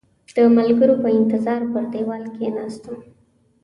د ملګرو په انتظار پر دېوال کېناستم.